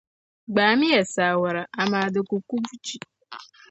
Gbaamiya saawara, amaa di ku ku buchi.